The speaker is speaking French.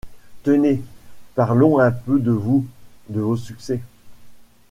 Tenez, parlons un peu de vous, de vos succès…